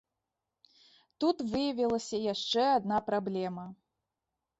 Тут выявілася яшчэ адна праблема.